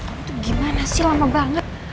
itu gimana sih lama banget